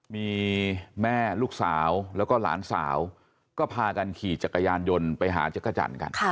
มีแม่ลูกสาวแล้วก็หลานสาวก็พากันขี่จักรยานยนต์ไปหาจักรจันทร์กัน